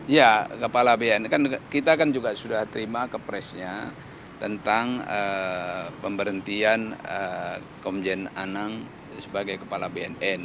ya kepala bnn kan kita kan juga sudah terima kepresnya tentang pemberhentian komjen anang sebagai kepala bnn